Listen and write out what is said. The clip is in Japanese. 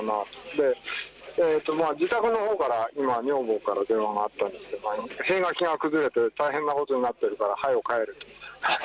で、自宅のほうから今、女房から電話があったんですが平垣が崩れて大変なことになってるからはよ帰れと。